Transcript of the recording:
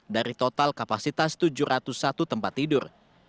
dari total kapasitas tujuh ratus satu tempat tidur